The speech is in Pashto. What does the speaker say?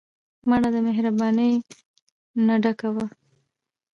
مړه د مهربانۍ نه ډکه وه